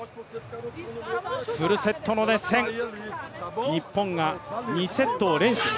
フルセットの熱戦、日本が２セットを連取。